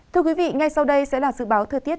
thưa quý vị ngay sau đây sẽ là dự báo thời tiết